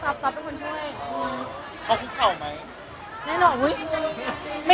แล้วล้อมความผิดหนัดหน่อยป่ะ